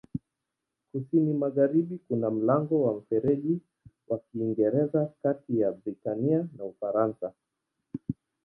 Kusini-magharibi kuna mlango wa Mfereji wa Kiingereza kati ya Britania na Ufaransa.